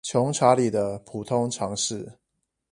窮查理的普通常識